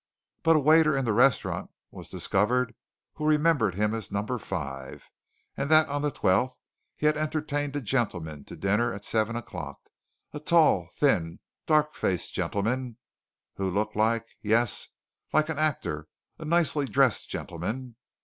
But a waiter in the restaurant was discovered who remembered him as Number 5, and that on the 12th he had entertained a gentleman to dinner at seven o'clock a tall, thin, dark faced gentleman, who looked like yes, like an actor: a nicely dressed gentleman.